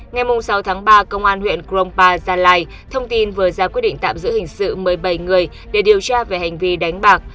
ngày sáu tháng ba công an huyện krongpa gia lai thông tin vừa ra quyết định tạm giữ hình sự một mươi bảy người để điều tra về hành vi đánh bạc